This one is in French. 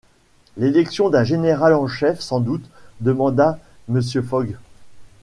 L’élection d’un général en chef, sans doute? demanda Mr. Fogg.